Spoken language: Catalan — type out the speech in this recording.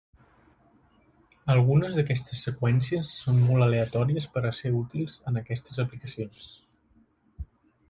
Algunes d'aquestes seqüències són molt aleatòries per a ser útils en aquestes aplicacions.